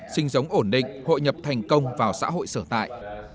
sinh sống ổn định hội nhập thành công vào xã hội sở tại